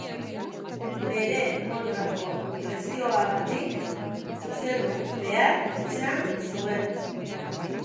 Bere kontrako presioagatik zuzendu behar izan zuen.